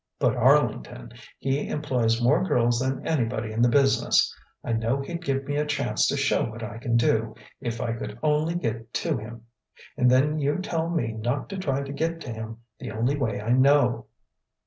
But Arlington ... he employs more girls than anybody in the business. I know he'd give me a chance to show what I can do, if I could only get to him. And then you tell me not to try to get to him the only way I know."